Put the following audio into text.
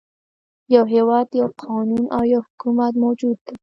يو هېواد، یو قانون او یو حکومت موجود دی.